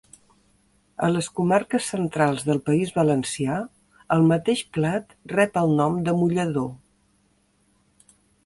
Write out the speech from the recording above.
A les Comarques Centrals del País Valencià el mateix plat rep el nom de mullador.